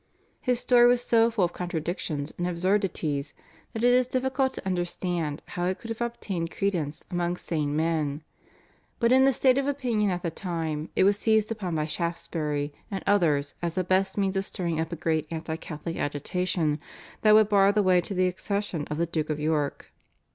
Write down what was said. His story was so full of contradictions and absurdities that it is difficult to understand how it could have obtained credence among sane men, but in the state of opinion at the time, it was seized upon by Shaftesbury and others as the best means of stirring up a great anti Catholic agitation that would bar the way to the accession of the Duke of York.